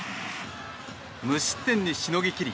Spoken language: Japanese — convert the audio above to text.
無失点にしのぎ切り